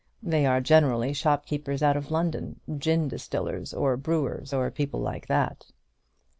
They are generally shopkeepers out of London, gin distillers, or brewers, or people like that."